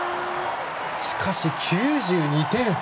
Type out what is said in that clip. しかし、９２点。